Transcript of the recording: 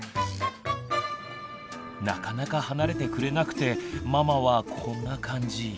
なかなか離れてくれなくてママはこんな感じ。